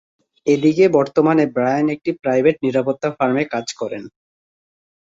এদিকে বর্তমানে ব্রায়ান একটি প্রাইভেট নিরাপত্তা ফার্মে কাজ করে।